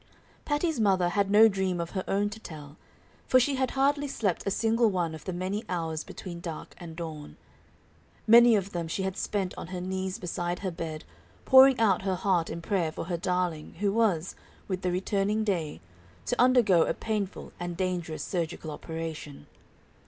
Patty's mother had no dream of her own to tell, for she had hardly slept a single one of the many hours between dark and dawn. Many of them she had spent on her knees beside her bed, pouring out her heart in prayer for her darling who was, with the returning day, to undergo a painful and dangerous surgical operation.